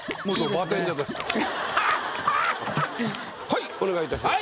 はいお願いいたします。